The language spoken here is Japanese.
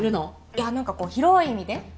いや何かこう広い意味で？